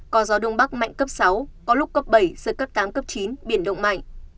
có gió đông bắc mạnh cấp sáu có lúc cấp bảy giật cấp tám cấp chín biển động mạnh